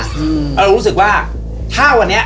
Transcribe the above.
เรารู้สึกว่าถ้าวันนี้